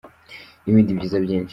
n’ibindi byiza byinshi.